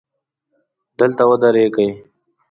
دلته ودرېږئ